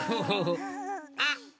あっ！